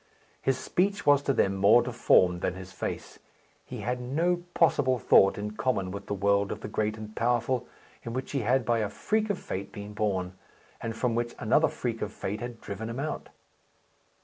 His speech was to them more deformed than his face. He had no possible thought in common with the world of the great and powerful, in which he had by a freak of fate been born, and from which another freak of fate had driven him out.